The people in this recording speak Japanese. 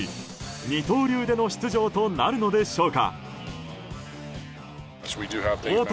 二刀流での出場となるのでしょうか。